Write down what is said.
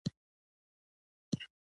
د کور بالښت مې سخت شوی و.